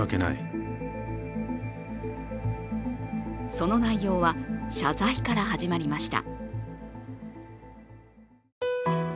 その内容は、謝罪から始まりました。